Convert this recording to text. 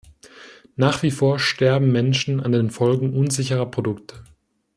Nach wie vor sterben Menschen an den Folgen unsicherer Produkte.